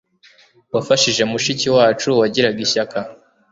wafashije mushiki wacu wagiraga ishyaka